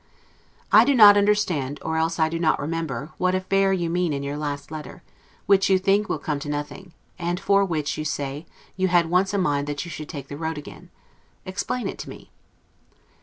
I do not understand, or else I do not remember, what affair you mean in your last letter; which you think will come to nothing, and for which, you say, I had once a mind that you should take the road again. Explain it to me.